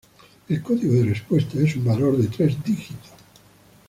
El código de respuesta es un valor de tres dígitos.